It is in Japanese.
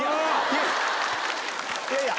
いやいや。